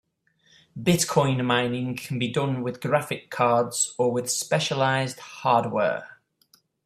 Bitcoin mining can be done with graphic cards or with specialized hardware.